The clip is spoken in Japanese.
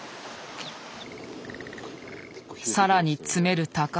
更に詰める高橋。